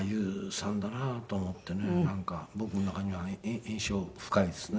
僕の中には印象深いですね。